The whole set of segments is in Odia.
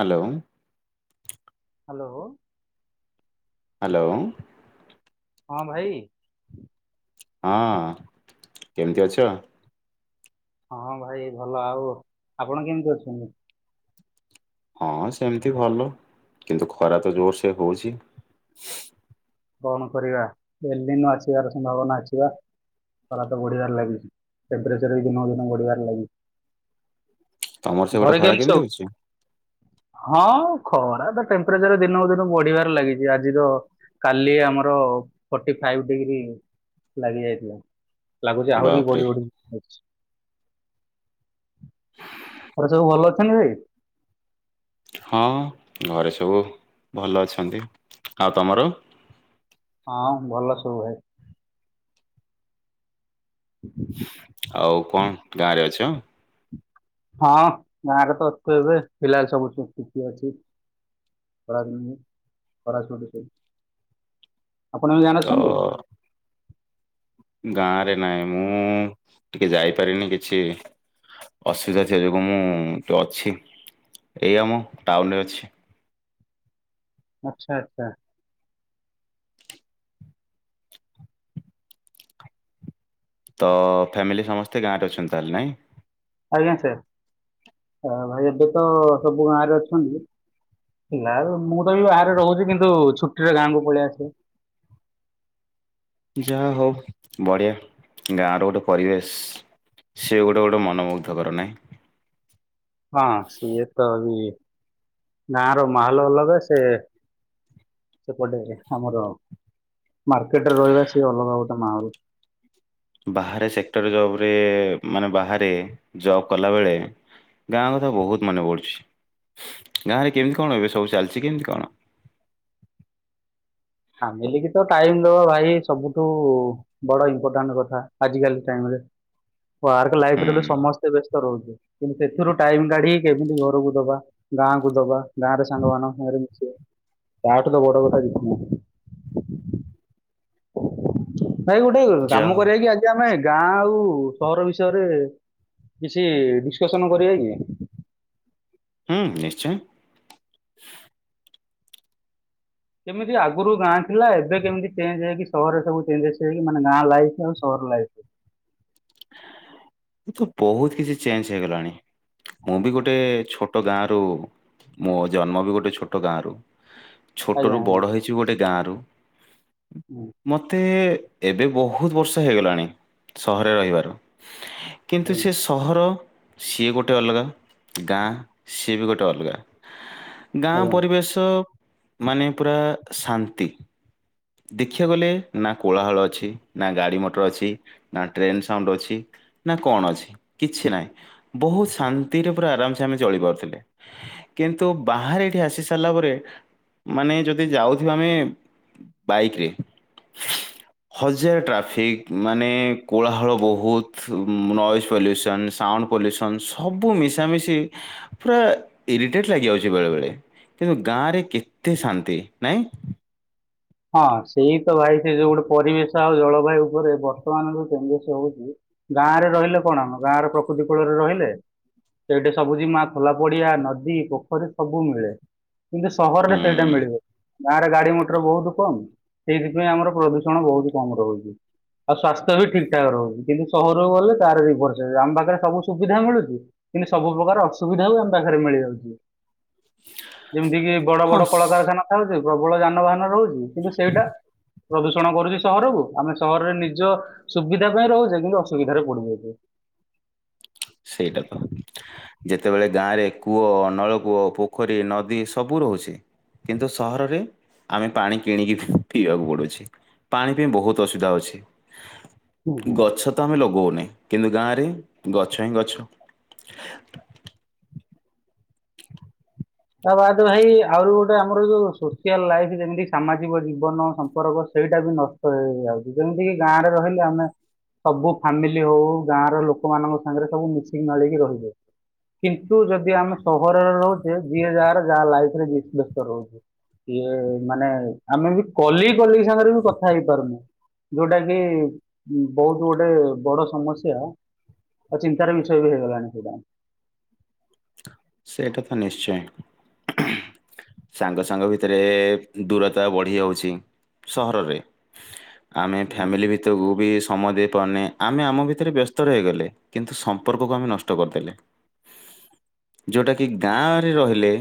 ହାଲୋ। ହାଲୋ। ହାଲୋ। ହଁ ଭାଇ। ହଁ କେମତି ଅଛ? ହଁ ଭାଇ ଭଲ ଆଉ ଆପଣ କେମତି ଅଛନ୍ତି? ହଁ ସେମିତି ଭଲ କିନ୍ତୁ ଖରା ତ ଜୋରସେ ହୋଉଚି। କଣ କରିବା ଏଲିନୋ ଆସିବାର ସମ୍ଭାବନା ଅଛିି ବା। ଖରା ତ ବଢିବାରେ ଲାଗିଚି ଟେମ୍ପରେଚର ବି ଦିନକୁ ଦିନ ବଢିବାରେ ଲାଗି ତମର ସେପଟେ ଖରା କେମିତି ହୋଉଚି? ହଁ ଖରା ତ ଟେମ୍ପରେଚର ଦିନକୁ ଦିନ ବଢ଼ିବାରେ ଲାଗିଚି ଆଜି ତ କାଲି ଆମର ଫର୍ଟି ଫାଇବ୍ ଡିଗ୍ରୀ ଲାଗି ଯାଇଥିଲା। ଲାଗୁଚି ଆହୁରି ବାପରେ ବଢି଼ ବଢି଼ ଯାଉଚି। ହରେ ସବୁ ଭଲ ସାନରେ ହଁ ଘରେ ସବୁ ଭଲ ଅଛନ୍ତି। ଆଉ ତମର? ହଁ ଭଲ ସବୁ ଭାଇ। ଆଉ କଣ ଗାଁରେ ଅଛ? ହଁ ଗାଁରେ ତ ଅଛୁ ଏବେ। ପିଲା ସବୁ ଛୁ ଛୁଟି ଅଛି। ଖରା ଦିନରେ ଖରା ଛୁଟି ସବୁ। ଆପଣ ଏବେ ତ ଗାଁରେ ଅଛନ୍ତି? ଗାଁରେ ନାଇଁ ମୁଁ ଟିକେ ଯାଇପାରିନି କିଛି ଅସୁବିଧା ଥିବା ଯୋଗୁଁ ମୁଁ ଟିକେ ଅଛି ଏଇ ଆମ ଟାଉନରେ ଅଛି। ଆଚ୍ଛା ଆଚ୍ଛା। ତ ଫ୍ୟାମିଲି ସମସ୍ତେ ଗାଁରେ ଅଛନ୍ତି ତାହଲେ। ନାଇଁ? ଆଜ୍ଞା ସାର୍। ଅ ଭାଇ ଏବେ ତ ସବୁ ଗାଁରେ ଅଛନ୍ତି ନାଁ ଏବେ ମୁଁ ତ ବି ବାହାରେ ରହୁଚି କିନ୍ତୁ ଛୁଟିରେ ଗାଁକୁ ପଳେଇ ଆସିବ। ଯାହା ହଉ ବଢ଼ିଆ ଗାଁର ଗୋଟେ ପରିବେଶ ସେ ଗୋଟେ ଗୋଟେ ମନମୁଗ୍ଧକର। ନାଇଁ? ହଁ ସିଏ ତ ବି ଗାଁର ମାହଲ ଅଲଗା ସେ ସେପଟେ ଆମର ମାର୍କେଟରେ ରହିବା ସେ ଅଲଗା ଗୋ ମାହୁଲ୍ ବାହାରେ ସେକ୍ଟର ଜବରେ ମାନେ ବାହାରେ ଜବ କଲା ବେଳେ ଗାଁ କଥା ବୋହୁତ ମନେ ପଡ଼ୁଚି। ଗାଁରେ କେମିତି କଣ ଏବେ ସବୁ ଚାଲିଚି କେମିତି କଣ? ଫାମିଲିକି ତ ଟାଇମ ଦବା ଭାଇ ସବୁଠୁ ବଡ଼ ଇମ୍ପୋଟାଣ୍ଟ କଥା ଆଜିିକାଲି ଟାଇମରେ। ୱାର୍କ ହୁଁ ଲାଇଫରେ ତ ସମସ୍ତେ ବେସ୍ ରହୁଚୁ କିନ୍ତୁ ସେଥୁରୁ ଟାଇମ କାଢି କେମିତି ଘରୁକୁ ଦବା ଗାଁକୁ ଦବା ଗାଁରେ ସାଙ୍ଗମାନଙ୍କ ସାଙ୍ଗରେ ମିଶିବା ତାଠୁ ତ ବଡ଼ କଥା କିଛି ନାହିଁ। [unintelligible] [unintelligible] ଭାଇ ଗୋଟେ ଯାହା କାମ ହଉ କରିବାକି ଆଜି ଆମେ ଗାଁ ଆଉ ସହର ବିଷୟରେ କିଛି ଡିସ୍କସନ କରିବା କି? ହୁଁ ନିଶ୍ଚୟ। କେମିତି ଆଗୁରୁ ଗାଁ ଥିଲା ଏବେ କେମିତି ଚେଞ୍ଜ ହେଇକି ସହରରେ ସବୁ ଚେଞ୍ଜେସ୍ ହେଇକି ମାନେ ଗାଁ ଲାଇଫ୍ ଆଉ ସହର ଲାଇଫ୍। ବୋହୁତ କିଛି ଚେଞ୍ଜ ହେଇଗଲାଣି। ମୁଁ ବି ଗୋଟେ ଛୋ ଟ ଗାଁରୁ ମୋ ଜନ୍ମ ବି ଗୋଟେ ଛୋଟ ଗାଁରୁ। ଆଜ୍ଞା ଛୋଟରୁ ବଡ ଆଜ୍ଞା ହେଇଚି ଗୋଟେ ଗାଁରୁ। ହୁଁ ମତେ ଏବେ ବୋହୁତ ବର୍ଷ ହେଇଗଲାଣି ସହରରେ ରହିବାର କିନ୍ତୁ ଆଜ୍ଞା। ସିଏ ସହର ସିଏ ଗୋଟେ ଅଲଗା ଗାଁ ସିଏ ବି ଗୋଟେ ଅଲଗା। ଗାଁ ଆଜ୍ଞା। ପରିବେଶ ମାନେ ପୁରା ଶାନ୍ତି। ଖିଆ ଗଲେ ନାଁ କୋଳାହଳ ଅଛି ଟି ନାଁ ଗାଡ଼ି ମଟର ଅଛି ନା ଟ୍ରେନ୍ ସାଉଣ୍ଡ ଅଛି ନାଁ କଣ ଅଛି କିଛି ନାହିଁ ବୋହୁତ ଶାନ୍ତିରେ ପୁରା ଆରାମସେ ଆମେ ଚଳିପାରୁଥିଲେ କିନ୍ତୁ ବାହାରେ ଏଇଠି ଆସି ସାରିଲା ପରେ ମାନେ ଯଦି ଯାଉଥିବା ଆମେ ବାଇକ୍ ରେ ହଜାର ଟ୍ରାଫିକ ମାନେ କୋଳାହଳ ବୋହୁତ ତୁ ଉଁ ନଏଜ୍ ପଲ୍ୟୁସନ୍ ସାଉଣ୍ଡ ପଲ୍ୟୁସନ୍ ସବୁ ମିଶାମିଶି ପୁରା ଇରିଟେଟ୍ ଲାଗିଯାଉଚି ବେଳେ ବେଳେ କିନ୍ତୁ ଗାଁରେ କେତେ ଶାନ୍ତି। ନାଇଁ? ହଁ ସେଇ ତ ଭାଇ ସେ ଯୋଉ ଗୋଟେ ପରିବେଶ ଆଉ ଜଳବାୟୁ ଉପରେ ବର୍ତ୍ତମାନ ଯୋଉ ଚେଞ୍ଜେସ୍ ହୋଉଚି ଗାଁରେ ରହିଲେ କଣ ଆମ ଗାଁର ପ୍ରକୃତି କୂଳରେ ରହିଲେ ସେଇଠି ସବୁଜିମା ଖୋଲା ପଡିଆ ନଦୀ ପୋଖରୀ ସବୁ ମିଳେ। କିନ୍ତୁ ସହରରେ ହୁଁ ସେଇଟା ମିଳିବ ଗାଁରେ ଗାଡ଼ି ମଟର ବୋହୁତ କମ ସେଇଥିପାଇଁ ଆମର ପ୍ରଦୂଷଣ ବୋହୁତ କମ ରହୁଚି। ଆଉ ସ୍ୱାସ୍ଥ୍ୟ ବି ଠିକ ଠାକ ରହୁଚି। କିନ୍ତୁ ସହରକୁ ଗଲେ ତାର ରିଭର୍ସ ହେଇ ଆମ ପାଖରେ ସବୁ ସୁବିଧା ମିଳୁଚି କିନ୍ତୁ ସବୁ ପ୍ରକାର ଅସୁବିଧାକୁ ଆମ ପାଖରେ ମିଳିଯାଉଚି। ଯେମିତି କି ବଡ଼ ହଁ ବଡ଼ ସ- କଳକାରଖାନା ଥାଉ ତେ ପ୍ରବଳ ଯାନବାହାନ ରହୁଚି। କିନ୍ତୁ ସେଇଟା ପ୍ରଦୂଷଣ କରୁଚି ସହରକୁ ଆମେ ସହରରେ ନିଜ ସୁବିଧା ପାଇଁ ରହୁଚେ କିନ୍ତୁ ଅସୁବିଧାରେ ପଡ଼ିଯାଉଚେ। ସେଇଟା ତ ଯେତବେଳେ ଗାଁରେ କୂଅ ନଳକୂଅ ପୋଖରୀ ନଦୀ ସବୁ ରହୁଚି କିନ୍ତୁ ସହରରେ ଆମେ ପାଣି କିଣିକି ପିଇବାକୁ ପଡ଼ୁଛି। ପାଣି ପାଇଁ ବୋହୁତ ଅସୁବିଧା ହୋଉଛି। ହୁଁ ହୁଁ। ଗଛ ତ ଆମେ ଲଗଉ ନେ କିନ୍ତୁ ଗାଁରେ ଗ ଛ ହିଁ ଗଛ। ତା ବାଦ ଭାଇ ଆହୁରି ଗୋଟେ ଆମର ଯୋଉ ସୋସିଆଲ ଲାଇଫ୍ ଯେମିତି ସାମାଜିକ ଜୀବନ ସମ୍ପର୍କ ସେଇଟା ବି ନଷ୍ଟ ହେଇ ହେଇଯାଉଚି ଯେମିତି କିି ଗାଁରେ ରହିଲେ ଆମେ ସବୁ ଫାମିଲି ହୋଉ ଗାଁର ଲୋକମାନଙ୍କ ସାଙ୍ଗରେ ସବୁ ମିଶିକି ମାଳେଇକି ରହିଯାଉ। କିନ୍ତୁ ଯଦି ଆମେ ସହରରେ ରହୁଚେ ଯିଏ ଯାହାର ଯାହା ଲାଇଫରେ ବି ବ୍ୟସ୍ତ ରହୁଚି। ସିଏ ମାନେ ଆମେ ବି କଲି କଲି ସାଙ୍ଗରେ ବି କଥା ହେଇପାରୁନେ ଯୋଉଟା କି ଉଁ ବୋହୁତ ଗୋଟେ ବଡ଼ ସମସ୍ୟା ଆଉ ଚିନ୍ତାର ବିଷୟ ବି ହେଇଗଲାଣି ସେଇଟା। ସେଇଟା ତ ନିଶ୍ଚୟ। ସାଙ୍ଗ ସାଙ୍ଗ ଭିତରେ ଦୂରତା ବଢ଼ି ଯାଉଚି ସହରରେ। ଆମେ ହୁଁ। ଫ୍ୟାମିଲି ଭିତରକୁ ବି ସମୟ ଦେଇପାରୁନେ। ଆମେ ଆମ ଭିତରେ ବ୍ୟସ୍ତ ରହିଇଗଲେ କିନ୍ତୁ ସମ୍ପର୍କକୁ ଆମେ ନଷ୍ଟ କରିଦେଲେ। ଯୋଉଟା କିି ଗାଁରେ ରହିଲେ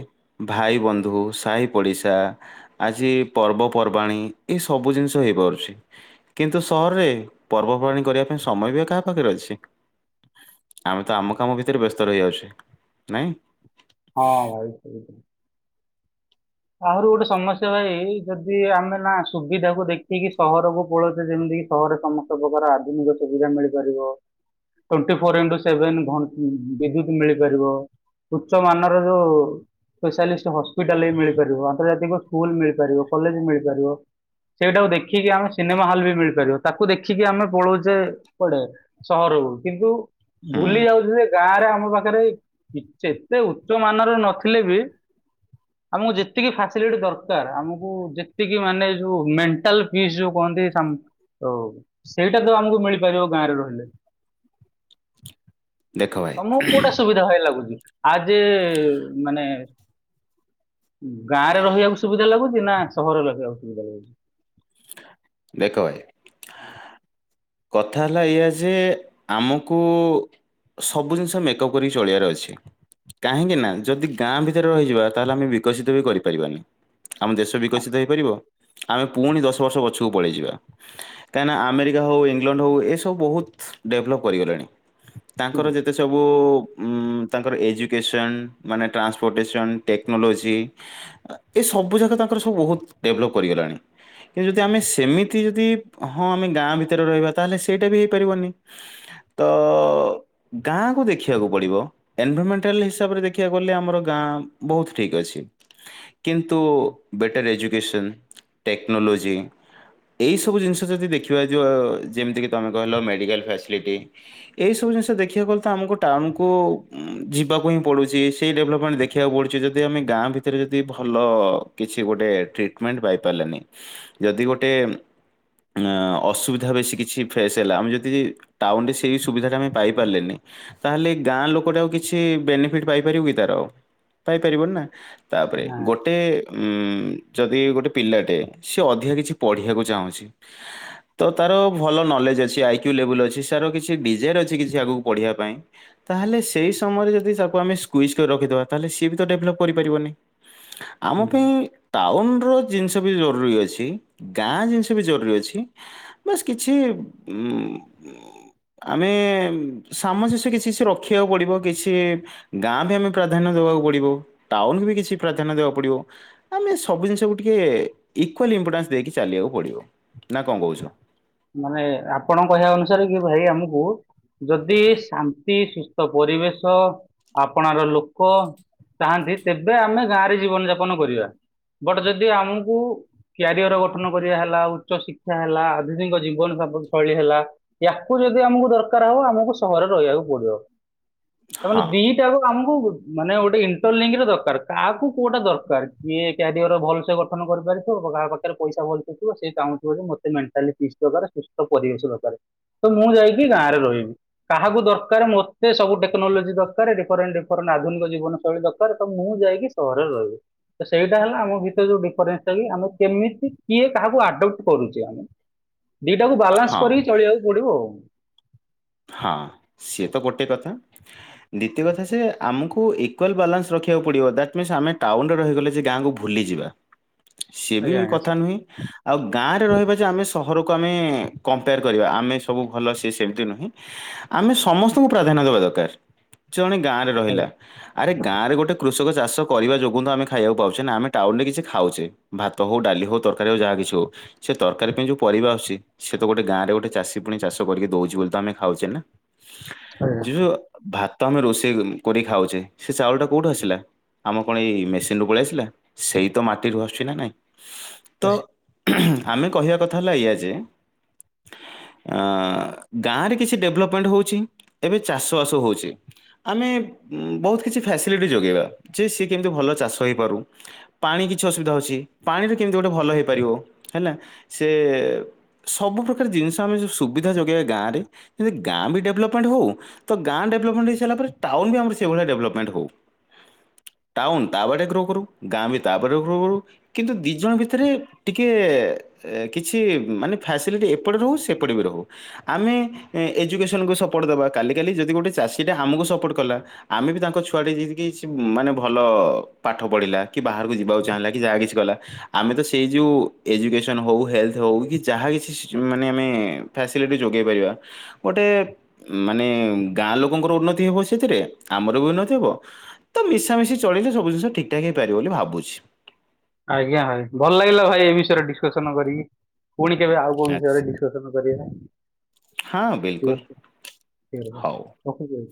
ଭାଇ ବନ୍ଧୁ ସାହି ପଡ଼ିଶା ଆଜି ପର୍ବପର୍ବାଣିୀ ଏ ସବୁ ଜିନିଷ ହେଇପାରୁଚି। କିନ୍ତୁ ସହରରେ ପର୍ବପର୍ବାଣୀ କରିବା ପାଇଁ ସମୟ ବି ଆଉ କାହା ପାଖରେ ଅଛି? ଆମେ ତ ଆମ କାମ ଭିତରେ ବ୍ୟସ୍ତ ରହିଯାଉଚେ। ନାଇଁ? ହଁ ଭାଇ ସେମିତି ଆହୁରି ଗୋଟେ ସମସ୍ୟା ଭାଇ ଯଦି ଆମେ ନାଁ ସୁବିଧାକୁ ଦେଖିକି ସହରକୁ ପଳଉଚେ ଯେମିତି କି ସହରରେ ସମସ୍ତ ପ୍ରକାର ଆଧୁନିକ ସୁବିଧା ମିଳିପାରିବ ଟୋଣ୍ଟି ଫୋର ଇଣ୍ଟୁ ସେଭେନ ଘ ବିଦ୍ୟୁତ ମିଳିପାରିବ ଉଚ୍ଚ ମାନର ଯୋଉ ସ୍ପେସିଆଲିଷ୍ଟ୍ ହସ୍ପିଟାଲ୍ ବି ମିଳି ପାରିବ ଆନ୍ତର୍ଜାତିକ ସ୍କୁଲ ଯାଇ ପାରିବ କଲେଜ ଯାଇ ପାରିବ ସେଇଟାକୁ ଦେଖିକି ଆମେ ସିନେମା ହଲ ବି ମିଳି ପାରିବ ତାକୁ ଦେଖିକି ଆମେ ପଳଉଚେ କୁଆଡ଼େ ସହରକୁ କିନ୍ତୁ ହୁଁ ଭୁଲି ଯାଉଚୁ ଯେ ଗାଁରେ ଆମ ପାଖରେ ଏତେ ଉଚ୍ଚ ମାନର ନଥିଲେ ବି ଆମକୁ ଯେ ଯେତିକି ଫାସିଲିଟି ଦରକାର ଆମୁକୁ ଯେତିକି ମାନେ ଯୋଉ ମେଣ୍ଟାଲ ପିସ୍ ଯୋଉ କହନ୍ତି ଉ ସ୍ ସେଇଟା ତ ଆମକୁ ମିଳିପାରିବ ଗାଁରେ ରହିଲେ। ଦେଖ ଭାଇ ତ ମୁଁ କୋଉଟା ସୁବିଧା ଭାଇ ଲାଗୁଚି? ଆଜି ଇ ମାନେ ଗାଁରେ ରହିବାକୁ ସୁବିଧା ଲାଗୁଚି ନାଁ ସହରରେ ରଖିବାକୁ ସୁବିଧା ଲାଗୁଚି ଦେଖ ଭାଇ କଥା ହେଲା ଏଇଆ ଯେ ଆମକୁ ସବୁ ଜିନିଷ ମେକଅପ୍ କରିକି ଚଳିବାର ଅଛି କାହିଁକି ନାଁ ଯଦି ଗାଁ ଭିତରେ ରହିଯିବା ତାହେଲେ ଆମେ ବିକଶିତ ବି କରିପାରିବାନି। ଆମ ଦେଶ ହଁ, ବିକଶିତ ହେଇପାରିବ ଆମେ ପୁଣି ଦଶ ବର୍ଷ ପଛକୁ ପଳେଇଯିବା କାହିଁକିନା ଆମେରିକା ହଉ ଇ ଇଂଲଣ୍ଡ ହଉ ଏସବୁ ବୋହୁତ ଡେଭଲପ୍ କରିଗଲେଣି। ହୁଁ, ତାଙ୍କର ଯେତେ ସବୁ ଉ ତାଙ୍କର ଏଜୁକେସନ୍ ମାନେ ଟ୍ରାନ୍ସପୋର୍ଟେସନ୍ ଟେକ୍ନୋଲୋଜି ଏସବୁ ଯାକ ତାଙ୍କର ସବୁ ବହୁତ ଡେଭଲପ୍ କରିଗଲାଣି କିନ୍ତୁ ଯଦି ଆମେ ସେମିତି ଯଦି ହଁ ଆମେ ଗାଁ ଭିତରେ ରହିବା ତାହେଲେ ସେଇଟା ବି ହେଇପାରିବନି ତ ଗାଁକୁ ଦେଖିବାକୁ ପଡ଼ିବ ଏନଭରମେଣ୍ଟାଲ ହିସାବରେ ଦେଖିବାକୁ ଗଲେ ଆମର ଗାଁ ବୋହୁତ ଠିକ୍ ଅଛି। କିନ୍ତୁ ବେଟର ଏଜୁ ଇଉସନ୍ ଟେକ୍ନୋଲୋଜି ଏଇ ସବୁ ଜିନଷ ଯଦି ଦେଖିବା ଯୋ ଯେମିତିକି ତମେ କହିଲ ମେଡିକାଲ ଫାସିଲିଟି ଏଇସବୁ ଜିନିଷ ଦେଖିବାକୁ ଗଲେ ତ ଆମକୁ ଟାଉନକୁ ଉଁ ଯିବାକୁ ହିଁ ପଡୁଚି ସେଇ ଡେଭଲପମେଣ୍ଟ ଦେଖିବାକୁ ପଡୁଚି ଯଦି ଆମେ ଗାଁ ଭିତରେ ଯଦି ଭଲ କିଛି ଗୋଟେ ଟ୍ରିଟମେଣ୍ଟ ପାଇ ପାରିଲେନେଇ ଯଦି ଗୋଟେ ଅଁ ଅସୁବିଧା ବେଶୀ କି ଛି ଫେସ ହେଲା ଆମେ ଯେତି ଟାଉନରେ ସେଇ ସୁବିଧାଟା ଆମେ ପାଇପାରିଲେନେଇ ତାହେଲେ ଗାଁ ଲୋକଟା ଆଉ କିଛି ବେନିଫିଟ ପାଇପାରିବ କି ତାରଉ ପାଇପାରିବନି ନାଁ। ତାପରେ ନା ଗୋଟେ ଉଁ ଯଦି ଗୋଟେ ପିଲାଟେ ସିଏ ଅଧିକା କିଛି ପଢିବାକୁ ଚାହୁଁଚି ତ ତାର ଭଲ ନଲେଜ ଅଛି ଆଇୁ ଲେବଲ ଅଛି ସାର କିଛି ଡିଜାର ଅଛି କିଛି ଆଗୁକୁ ପଢିବା ପାଇଁ ତାହେଲେ ସେଇ ସମୟରେ ଯଦି ତାକୁ ଆମେ ସ୍କୁଇଜ୍ କରି ରଖିଦବା ତାହେଲେ ସିଏ ବି ତ ଡେଭଲପ କରିପାରିବନି। ଆମ ହୁଁ। ପାଇଁ ଟାଉନର ଜିନିଷ ବି ଜରୁରୀ ଅଛି ଗାଁ ଜିନିଷ ବି ଜରୁରୀ ଅଛି ବାସ୍ କିଛି ଉ ଆମେ ସାମଞ୍ଜସ୍ୟ କିଛି ସେ ରଖିବାକୁ ପଡିବ କିଛି ଗାଁ ବି ଆମେ ପ୍ରାଧାନ୍ୟ ଦବାକୁ ପଡିବ ଟାଉନ ବି କିଛି ପ୍ରାଧାନ୍ୟ ଦବାକୁ ପଡିବ ଆମେ ସବୁ ଜିନିଷକୁ ଟିକେ ଇକ୍ଲ ଇମ୍ପୋର୍ଟାନ୍ସ ଦେଇକି ଚାଲିବାକୁ ପଡିବ ନା କଣ କହୁଛ। ମାନେ ଆପଣଙ୍କ କହିବା ଅନୁସାରେ କି ଭାଇ ଆମକୁ ଯଦି ସା କି ସୁସ୍ଥ ପରିବେଶ ଆପଣାର ଲୋକ ଚାହାନ୍ତି ତେବେ ଆମେ ଗାଁରେ ଜୀବନ ଯାପନ କରିବା ବଟ ଯଦି ଆମକୁ କ୍ୟାରିଅର ଗଠନ କରିବା ହେଲା ଉଚ୍ଚ ଶିକ୍ଷା ହେଲା ଆଧୁନିକ ଜୀବନ [unintelligible] ଶୈଳୀ ହେଲା ୟାକୁ ଯଦି ଆମକୁ ଦରକାର ହବ ଆମକୁ ସହରରେ ରହିବାକୁ ପଡିବ। ହଁ। ଦିଟା ଆକୁ ଆମକୁ ଗୋଟେ ମାନେ ଗୋଟେ ଇଣ୍ଟରଲିଙ୍କରେ ଦରକାର କାହାକୁ କୋଉଟା ଦରକାର କିଏ କ୍ୟାରିଅର ଭଲସ ଗଠନ କରିପାରିଥିବ କାହା ପାଖରେ ପଇସା ଭଲଥିବ ସେ ଚାହୁଁଥିବ ଯେ ମତେ ମେଣ୍ଟାଲି ପିସ୍ ଜାଗାରେ ସୁସ୍ଥ ପରିବେଶ ଦରକାର ତ ମୁଁ ଯାଇକି ଗାଁରେ ରହିବି କାହାକୁ ଦରକାର ମତେ ସବୁ ଟେକ୍ନୋଲୋଜି ଦରକାର ଡିଫରେଣ୍ଟ ଡିଫରେଣ୍ଟ ଆଧୁନିକ ଜୀବନ ଶୈଳୀ ଦରକାର ତ ମୁଁ ଯାଇକି ସହରରେ ରହିବି ତ ସେଇଟା ହେଲା ଆମ ଭିତରେ ଯୋଉ ଡିଫରେନ୍ସଟା କି ଆମେ କେମିତି କିଏ କାହାକୁ ଆଡପ୍ଟ କରୁଛେ ଆମେ। ଦିଟାକୁ ବାଲାନ୍ସ ହଁ କରିକି ଚଳିବାକୁ ପଡିବ ଆଉ। ହଁ ସିଏ ତ ଗୋଟେ କଥା ଦିତୀୟ କଥା ସେ ଆମକୁ ଇକ୍ୱାଲ୍ ବାଲାନ୍ସ ରଖିବାକୁ ପଡ଼ିବ ଦାଟ୍ ମିନ୍ସ ଆମେ ଟାଉନରେ ରହିଗଲେ ଯେ ଗାଁକୁ ଭୁଲିଯିବା। ସେ ବି ଆଜ୍ଞା ଆଜ୍ଞା କଥା ନୁହେଁ ଆଉ ଗାଁରେ ରହିବା ଯେ ଆମେ ସହ ଘରକୁ ଆମେ କମ୍ପେୟାର କରିବା ଆମେ ସବୁ ଭଲ ସି ସେମିତି ନୁହେଁ। ଆମେ ସମସ୍ତଙ୍କୁ ପ୍ରାଧାନ୍ୟ ଦେବା ଦରକାର। ଜଣେ ଗାଁରେ ରହିଲା ଆଜ୍ଞା ଆରେ ଗାଁରେ ଗୋଟେ କୃଷକ ଚାଷ କରିବା ଯୋଗୁଁ ତ ଆମେ ଖାଇବାକୁ ପାଉଚେ ନାଁ। ଆମେ ଟାଉନରେ କିଛି ଖାଉଚେ ଭାତ ହୋଉ ଡାଲି ହୋଉ ତରକାରୀ ହୋଉ ଯାହା କିଛି ହୋଉ। ସେ ତରକାରୀ ପାଇଁ ଯୋଉ ପରିବା ଆସୁଚି ସେ ତ ଗୋଟେ ଗାଁରେ ଗୋଟେ ଚାଷୀ ପୁଣି ଚାଷ କରିକି ଦୋଉଚି ବୋଲି ତ ଆମେ ଖାଉଚେ ନାଁ ଯୁହ ଆଜ୍ଞା ଭା ତ ଆମେ ରୋଷେଇ କରିକି ଖାଉଚେ ସେ ଚାଉଳଟା କୋଉଠୁ ଆସିଲା? ଆମ କଣ ଏଇ ମେସିନରୁୁ ପଳିଆସିଲା? ସେଇ ତ ମାଟିରୁ ଆସୁଚି ନାଁ ନାଇଁ? ତ ଆମେ କହିବା କଥା ହେଲା ଏଇଆ ଯେ ଅଁ ଗାଁରେ କିଛି ଡେଭଲପମେଣ୍ଟ ହୋଉଛି। ଏବେ ଚାଷ ବାସ ହୋଉଚି। ଆମେ ବୋହୁତ କିଛି ଫ୍ୟାସିଲିଟି ଯୋଗେଇବା ଯେ ସିଏ କେମିତି ଭଲ ଚାଷ ହେଇପାରୁ ପାଣି କିଛି ଅସୁବିଧା ହୋଉଚି ପାଣି ବି କେମିତି ଗୋଟେ ଭଲ ହେଇପାରିବ‌ ହେଲା ସେ ସବୁ ପ୍ର୍ରକାର ଜିନିଷ ଆମେ ଯୋଉ ସୁବିଧା ଯୋଗେଇବା ଗାଁରେ ଯେଦି ଗାଁ ବି ଡେଭଲପମେଣ୍ଟ ହୋଉ ତ ଗାଁ ଡେଭଲପମେଣ୍ଟ ହେଇସାଇଲା ପରେ ଟାଉନ ବି ଆମର ସେଇଭଳିଆ ଡେଭଲପମେଣ୍ଟ ହୋଉ। ଟାଉନ ତା ବାଟ ଗ୍ରୋ କରୁ। ଗାଁ ବି ତା ପରେ ଗ୍ରୋ କରୁ। କିନ୍ତୁ ଦୁଇଜଣ ଭିତରେ ଟିକେ ଏ କିଛି ମାନେ ଫ୍ୟାସିଲିଟି ଏପଟେ ରହୁ ସେପଟେ ବି ରହୁ‌। ଆମେ ଏ ଏଜୁକେସକୁ ସପୋର୍ଟ ଦବା କାଲି କାଲି ଯଦି ଗୋଟେ ଚାଷୀଟା ଆମୁକୁ ସପୋର୍ଟ କଲା ଆମେ ବି ତାଙ୍କ ଛୁଆଟି ଯେଦି କିଛି ମାନେ ଭଲ ପାଠ ପଢ଼ିଲା କି ବାହାରୁକୁ ଯିବାକୁ ଚାହିଁଲା କି ଯାହା କିଛି କଲା ଆମେ ତ ସେଇ ଯୋଉ ଏଜୁକେସନ୍ ହୋଉ ହେଲ୍ଥ ହୋଉ କି ଯାହା କିଛି ସେ ଯୋଉ ମାନେ ଆମେ ଫ୍ୟାସିଲିଟି ଯୋଗେଇ ପାରିବା ଗୋଟେ ମାନେ ଗାଁ ଲୋକଙ୍କର ଉନ୍ନତି ହେବ ସେଥିରେ ଆମର ବି ଉନ୍ନତି ହେବ ତ ମିଶାମିଶି ଚଳିଲେ ସବୁ ଜିନିଷ ଠିକ ଠାକ ହେଇପାରିବ ବୋଲି ଭାବୁଚି। ଆଜ୍ଞା ଭାଇ ଭଲ ଲାଗିଲା ଭାଇ ଏ ବିଷୟରେ ଡିସକସନ କରିକି। ପୁଣି କେବେ ଆଉ କୋଉ ଆଚ୍ଛା, ବିଷୟରେ ଡିସକସନ ହଁ ବିଲକୁଲ ହଉ। କରିବା।